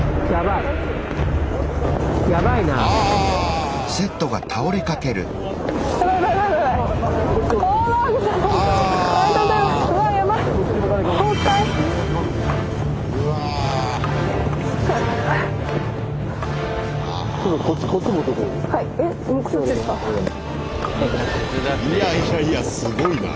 いやいやいやすごいな。